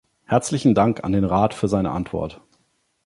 Herzlichen Dank an den Rat für seine Antwort.